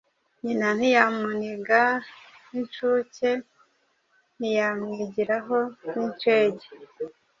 Nyina ntiyamuniga n'inshuke Ntiyamwigiraho n'inshege ,